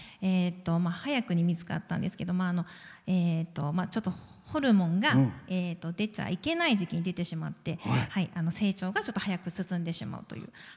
早くに見つかったんですけどちょっとホルモンが出ちゃいけない時期に出てしまって成長がちょっと早く進んでしまうという。